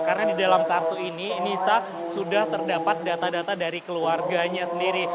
karena di dalam kartu ini nisa sudah terdapat data data dari keluarganya sendiri